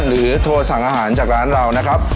โทรสั่งอาหารจากร้านเรานะครับ